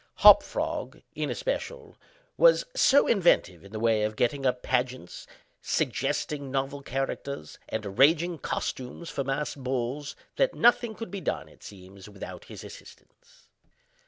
Hop Frog, in especial, was so inventive in the way of getting up pageants, suggesting novel characters, and arranging costumes, for masked balls, that nothing could be done, it seems, without his assistance.